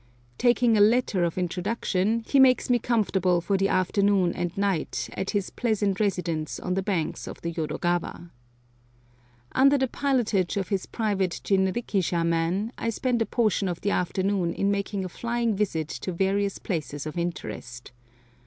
Taking a letter of introduction he makes me comfortable for the afternoon and night at his pleasant residence on the banks of the Yodo gawa. Under the pilotage of his private jinrikisha man, I spend a portion of the afternoon in making a flying visit to various places of interest.